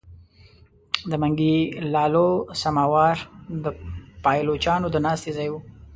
د منګي لالو سماوار د پایلوچانو د ناستې ځای وو.